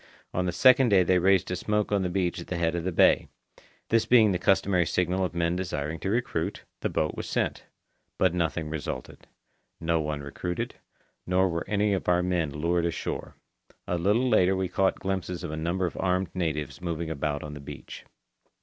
On the second day they raised a smoke on the beach at the head of the bay. This being the customary signal of men desiring to recruit, the boat was sent. But nothing resulted. No one recruited, nor were any of our men lured ashore. A little later we caught glimpses of a number of armed natives moving about on the beach.